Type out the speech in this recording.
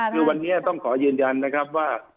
คือวันนี้ต้องขอยืนยันนะครับว่า